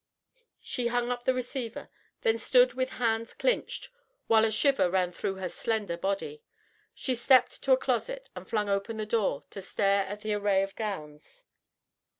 She hung up the receiver, then stood with hands clinched while a shiver ran through her slender body. She stepped to a closet, and flung open the door to stare at the array of gowns.